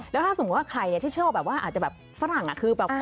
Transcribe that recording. แล้วถ้าสมมุติว่าใครที่ชอบแบบว่าอาจจะแบบฝรั่งคือแบบ